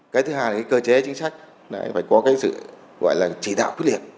cái thứ hai là cơ chế chính sách phải có cái sự gọi là chỉ đạo quyết liệt